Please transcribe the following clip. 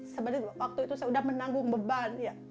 sebenarnya waktu itu saya udah menanggung beban ya